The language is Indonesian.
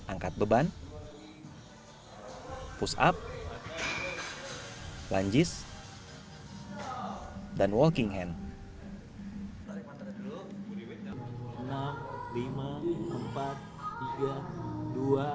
angkat beban push up lunges dan walking hand